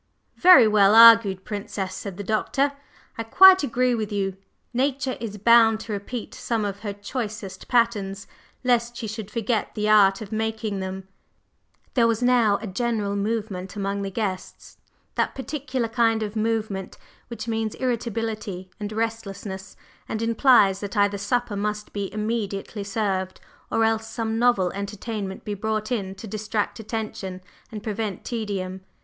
"Very well argued, Princess," said the Doctor. "I quite agree with you. Nature is bound to repeat some of her choicest patterns, lest she should forget the art of making them." There was now a general movement among the guests, that particular kind of movement which means irritability and restlessness, and implies that either supper must be immediately served, or else some novel entertainment be brought in to distract attention and prevent tedium.